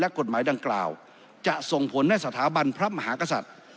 กฎหมายดังกล่าวจะส่งผลให้สถาบันพระมหากษัตริย์